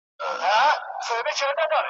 نوې لار نوی قانون سي نوي نوي بیرغونه ,